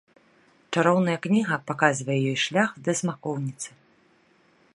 Чароўная кніга паказвае ёй шлях да смакоўніцы.